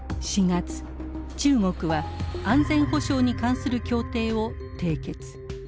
４月中国は安全保障に関する協定を締結。